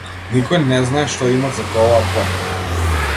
Никој не знае што има зад оваа порта.